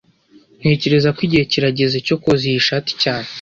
Ntekereza ko igihe kirageze cyo koza iyi shati cyane